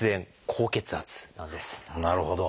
なるほど。